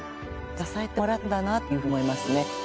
支えてもらったんだなっていうふうに思いますね。